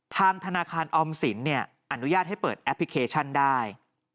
ทางธนาคารออมสินอนุญาตให้เปิดแอปพลิเคชันได้